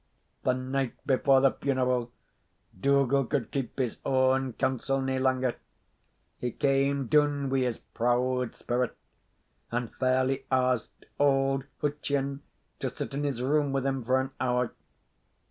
The night before the funeral Dougal could keep his awn counsel nae longer; he came doun wi' his proud spirit, and fairly asked auld Hutcheon to sit in his room with him for an hour.